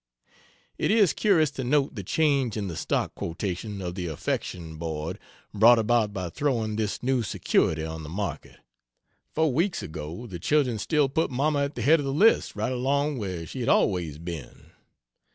It is curious to note the change in the stock quotation of the Affection Board brought about by throwing this new security on the market. Four weeks ago the children still put Mamma at the head of the list right along, where she had always been.